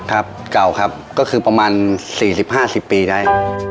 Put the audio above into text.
เก่าครับก็คือประมาณ๔๐๕๐ปีได้